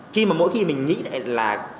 khi mà mỗi khi mình nghĩ lại là